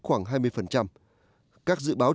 khoảng hai mươi các dự báo